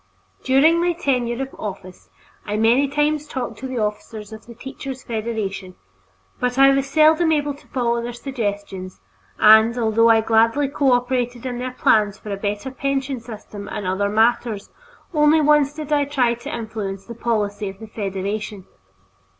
During my tenure of office I many times talked to the officers of the Teachers' Federation, but I was seldom able to follow their suggestions and, although I gladly cooperated in their plans for a better pension system and other matters, only once did I try to influence the policy of the Federation.